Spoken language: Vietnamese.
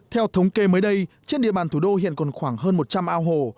theo thống kê mới đây trên địa bàn thủ đô hiện còn khoảng hơn một trăm linh ao hồ